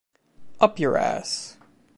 Up your ass!